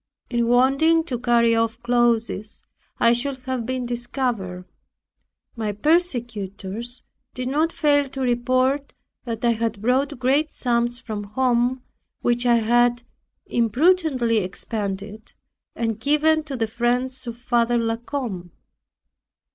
In wanting to carry off clothes I should have been discovered. My persecutors did not fail to report that I had brought great sums from home, which I had imprudently expended, and given to the friends of Father La Combe.